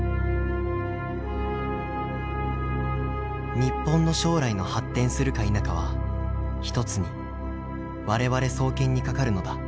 「日本の将来の発展するか否かは一つに我々双肩にかかるのだ。